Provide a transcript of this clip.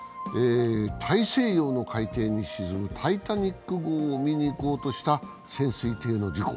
大西洋の海底に沈む「タイタニック」号を見に行こうとした潜水艇の事故。